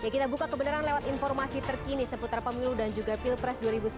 kita buka kebenaran lewat informasi terkini seputar pemilu dan juga pilpres dua ribu sembilan belas